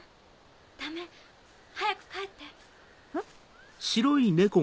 ・ダメ早く帰って・ん？